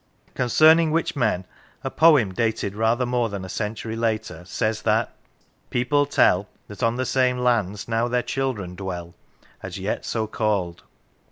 '' Concerning which men a poem dated rather more than a century later says that People tell That on the same lands now their children dwell As yet so called.